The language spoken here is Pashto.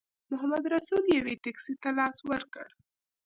محمدرسول یوې ټیکسي ته لاس ورکړ.